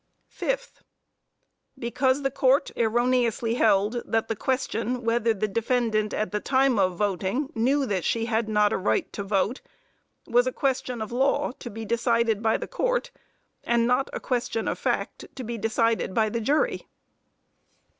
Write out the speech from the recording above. Fifth Because the court erroneously held that the question, whether the defendant, at the time of voting knew that she had not a right to vote, was a question of law to be decided by the court, and not a question of fact to be decided by the jury.